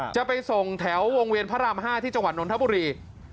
จะไปส่งแถววงเวียนพระราม๕ที่จังหวัดนทบุรี